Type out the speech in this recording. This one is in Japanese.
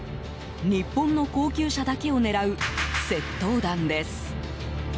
日本の高級車だけを狙う窃盗団です。